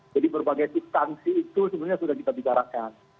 jadi berbagai distansi itu sebenarnya sudah kita bicarakan